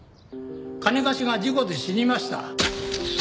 金貸しが事故で死にました。